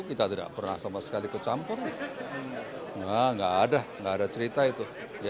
kita tidak pernah sama sekali kecampur tidak ada cerita itu